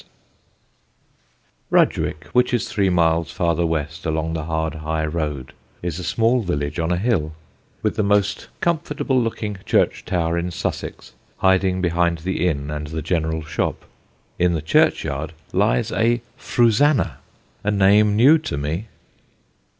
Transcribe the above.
[Sidenote: RUDGWICK] Rudgwick, which is three miles farther west along the hard high road, is a small village on a hill, with the most comfortable looking church tower in Sussex hiding behind the inn and the general shop. In the churchyard lies a Frusannah a name new to me.